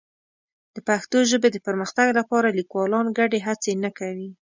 د پښتو ژبې د پرمختګ لپاره لیکوالان ګډې هڅې نه کوي.